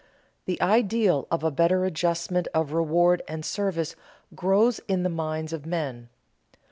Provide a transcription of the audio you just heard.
The ideal of a better adjustment of reward and service grows in the minds of men.